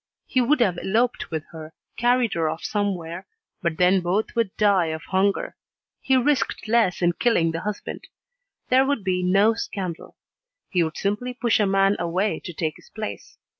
He would have eloped with her, carried her off somewhere, but then both would die of hunger. He risked less in killing the husband. There would be no scandal. He would simply push a man away to take his place.